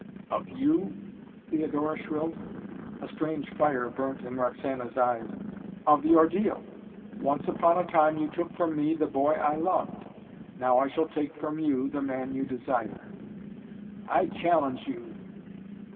"Of you?" Theodora shrilled. A strange fire burnt in Roxana's eyes. "Of the ordeal! Once upon a time you took from me the boy I loved. Now I shall take from you the man you desire!" "I challenge you!"